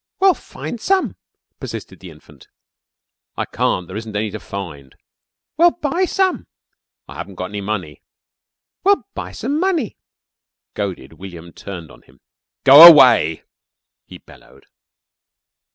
"Well, find some," persisted the infant. "I can't. There isn't any to find." "Well, buy some!" "I haven't any money." "Well, buy some money." Goaded, William turned on him. "Go away!" he bellowed.